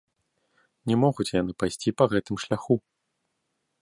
Не могуць яны пайсці па гэтым шляху.